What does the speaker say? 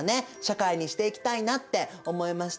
社会にしていきたいなって思いました。